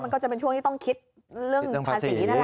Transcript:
มันก็จะเป็นช่วงที่ต้องคิดเรื่องภาษี